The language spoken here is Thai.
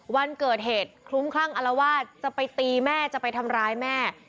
วันเกิดเหตุคลุ้มคลั่งอารวาสจะไปตีแม่จะไปทำร้ายแม่